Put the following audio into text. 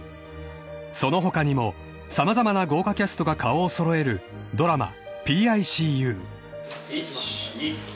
［その他にも様々な豪華キャストが顔を揃えるドラマ『ＰＩＣＵ』］